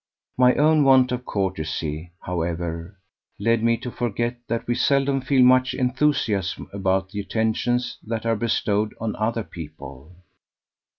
My own want of courtesy, however, led me to forget that we seldom feel much enthusiasm about the attentions that are bestowed on other people."